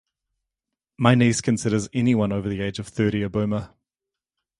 My niece considers anyone over the age of thirty a Boomer.